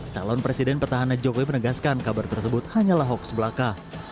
calon presiden petahana jokowi menegaskan kabar tersebut hanyalah hoax belaka